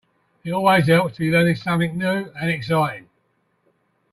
It always helps to be learning something new and exciting.